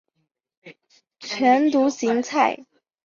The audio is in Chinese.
腺独行菜